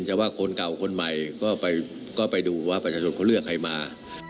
แต่ว่าคนเก่าคนใหม่ก็ไปดูว่าประชาชนเขาเลือกใครมา